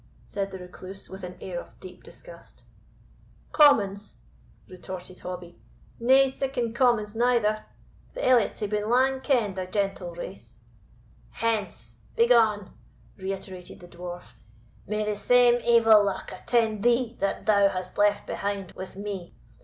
said the Recluse, with an air of deep disgust. "Commons!" retorted Hobbie, "nae siccan commons neither; the Elliots hae been lang kend a gentle race." "Hence! begone!" reiterated the Dwarf; "may the same evil luck attend thee that thou hast left behind with me!